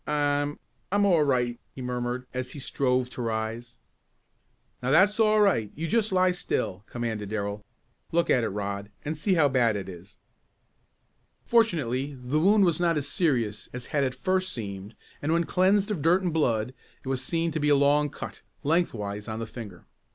"I I'm all right," he murmured, as he strove to rise. "Now that's all right you just lie still," commanded Darrell. "Look at it Rod, and see how bad it is." Fortunately the wound was not as serious as had at first seemed and when cleansed of dirt and blood it was seen to be a long cut, lengthwise of the finger.